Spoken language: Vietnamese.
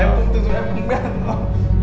em cũng tự dụng em cũng biết